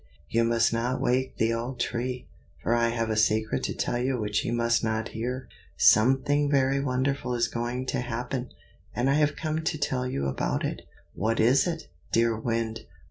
"You must not wake the old Tree, for I have a secret to tell you which he must not hear. Something very wonderful is going to happen, and I have come to tell you about it." "What is it, dear Wind?